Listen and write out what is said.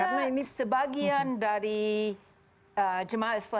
karena ini sebagian dari jemaah islam